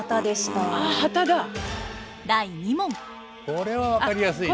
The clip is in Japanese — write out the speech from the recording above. これは分かりやすいよ。